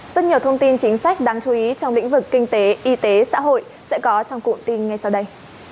rất nhiều thông tin chính sách đáng chú ý trong lĩnh vực kinh tế y tế xã hội sẽ có trong cụm tin ngay sau đây